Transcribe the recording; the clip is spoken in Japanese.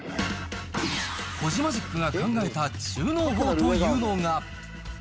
コジマジックが考えた収納法というのが。